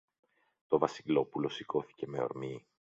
Το Βασιλόπουλο σηκώθηκε με ορμή